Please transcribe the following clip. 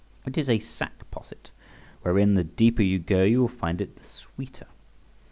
It is a sack posset, wherein the deeper you go you will find it the sweeter.